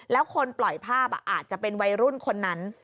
แล้วคนปล่อยภาพอาจจะเป็นวัยรุ่นคนนั้น